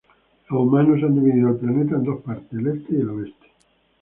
Los humanos han dividido el planeta en dos partes: el Este y el Oeste.